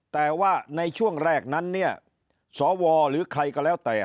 แต่ว่าในช่วงแรกนั้นเนี่ยสวหรือใครก็แล้วแต่